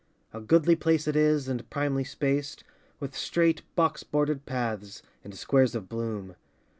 A goodly place it is and primly spaced, With straight box bordered paths and squares of bloom.